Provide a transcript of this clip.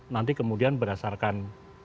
nanti kemudian berdasarkan